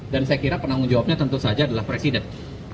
dan saya kira penanggung jawabnya tentu saja adalah presiden